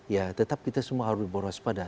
ya tetap kita semua harus berwaspada